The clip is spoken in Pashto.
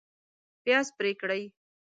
پیاز پرې کړئ